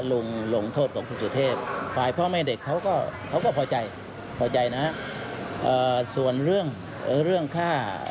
ลงลงโทษของคุณสุเทพภายพ่อแม่เด็กเขาก็เขาก็พอใจพอใจนะฮะ